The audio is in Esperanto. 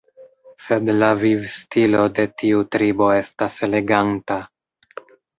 Sed la vivstilo de tiu tribo estas eleganta.